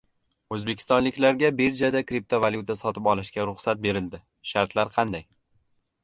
O‘zbekistonliklarga birjada kriptovalyuta sotib olishga ruxsat berildi. Shartlar qanday?